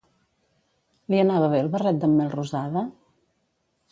Li anava bé el barret d'en Melrosada?